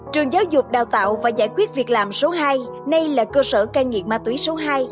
trường giáo dục đào tạo và giải quyết việc làm số hai nay là cơ sở cai nghiện ma túy số hai